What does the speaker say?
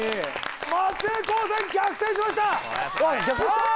松江高専逆転しましたさあ